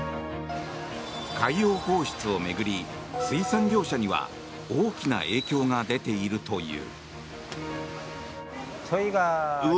海洋放出を巡り水産業者には大きな影響が出ているという。